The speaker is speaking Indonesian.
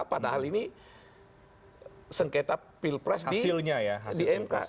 padahal ini sengketa pilpres di mk